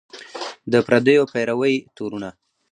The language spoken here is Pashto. د پردیو پیروۍ تورونه